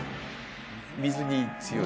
水に強い。